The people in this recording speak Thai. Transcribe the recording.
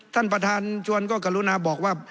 ท่านประธานชวนก็กรุณาบอกว่า